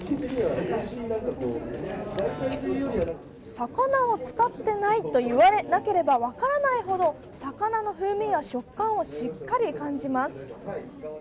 魚を使ってないと言われなければ、分からないほど魚の風味や食感をしっかり感じます。